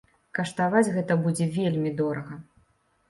Каштаваць гэта будзе вельмі дорага.